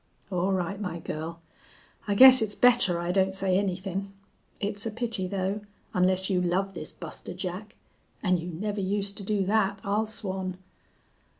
"All right, my girl. I guess it's better I don't say anythin'. It's a pity, though, onless you love this Buster Jack. An' you never used to do that, I'll swan."